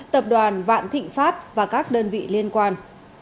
tập đoàn vạn thịnh pháp và các đơn vị liên quan